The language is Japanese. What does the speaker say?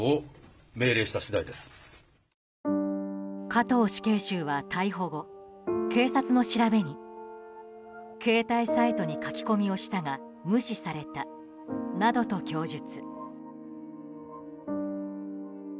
加藤死刑囚は逮捕後警察の調べに携帯サイトに書き込みをしたが無視されたなどと供述。